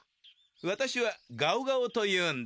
私はガオガオというんだ。